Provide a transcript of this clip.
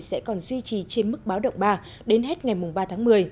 sẽ còn duy trì trên mức báo động ba đến hết ngày ba tháng một mươi